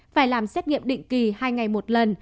phải làm xét nghiệm định kỳ hai ngày một lần